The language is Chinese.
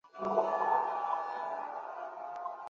洛基的赌注是连续体谬误的一例。